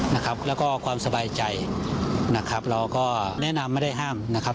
นะครับแล้วก็ความสบายใจนะครับเราก็แนะนำไม่ได้ห้ามนะครับ